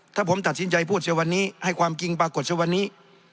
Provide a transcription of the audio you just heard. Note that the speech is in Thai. ถ้าผมตัดสินใจพูดเสียวันนี้ให้ความจริงปรากฏเสียวันนี้